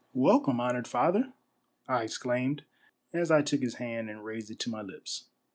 " Welcome, honored father !" I exclaimed as I took his hand and raised it to my lips.